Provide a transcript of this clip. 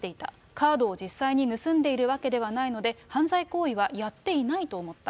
カードを実際に盗んでいるわけではないので、犯罪行為はやっていないと思った。